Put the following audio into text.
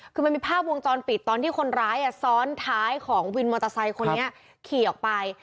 คือมันมีภาพวงจรปิดตอนที่คนร้ายซ้อนท้ายของวินมอเตอร์ไซค์คนนี้ขี่ออกไป